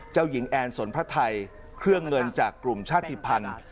เจ้าหญิงแอนสนพระไทยเครื่องเงินจากกลุ่มชาติภัณฑ์